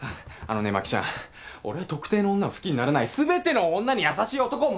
あのね真紀ちゃん。俺は特定の女を好きにならない全ての女に優しい男。